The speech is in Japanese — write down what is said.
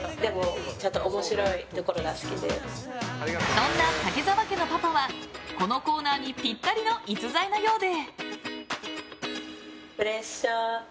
そんな武澤家のパパはこのコーナーにぴったりの逸材なようで。